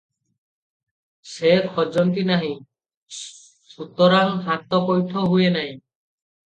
ସେ ଖୋଜନ୍ତି ନାହିଁ, ସୁତରାଂ ହାତ ପୈଠ ହୁଏ ନାହିଁ ।